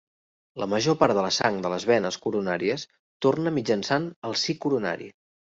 La major part de la sang de les venes coronàries torna mitjançant el si coronari.